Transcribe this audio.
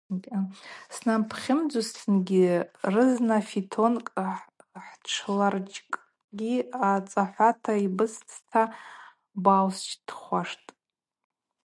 Снабхьымдзузтын – рызна фитонкӏ хтшларджькӏгьи ацӏахӏвата йбыстта баусщтхуаштӏ.